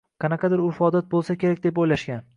Qanaqadir urf-odat bo‘lsa kerak deb o‘ylashgan.